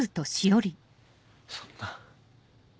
そんな。